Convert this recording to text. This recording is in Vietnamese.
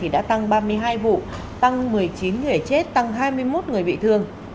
đã tăng ba mươi hai vụ tăng một mươi chín người chết tăng hai mươi một người bị thương